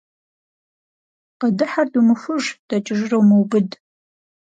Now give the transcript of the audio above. Къыдыхьэр думыхуж, дэкӀыжыр умыубыд.